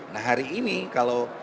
nah hari ini kalau